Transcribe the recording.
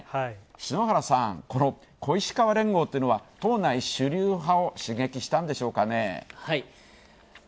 篠原さん、この小石河連合というのは党内主流派を刺激したんでしょうかね。